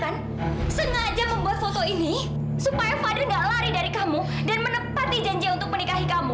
kamu sengaja kan sengaja membuat foto ini supaya fadil nggak lari dari kamu dan menepati janji untuk menikahi kamu